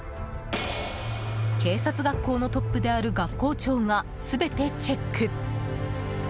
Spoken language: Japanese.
警察学校のトップである学校長が全てチェック。